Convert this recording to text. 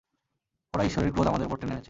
ওরাই ঈশ্বরের ক্রোধ আমাদের উপর টেনে এনেছে!